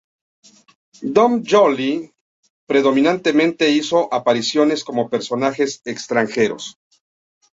Dom Joly predominantemente hizo apariciones como personajes extranjeros.